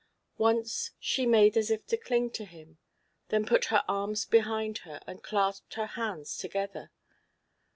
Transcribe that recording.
Once she made as if to cling to him, then put her arms behind her and clasped her hands together.